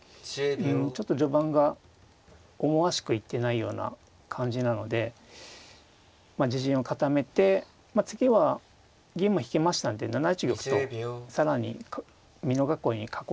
ちょっと序盤が思わしくいってないような感じなので自陣を固めて次は銀も引けましたんで７一玉と更に美濃囲いに囲ってですね